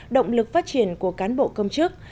động lực phát triển của cán bộ công chức